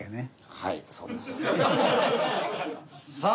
はいそうです。さあ